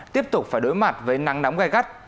tiếp tục phải đối mặt với nắng nóng gai gắt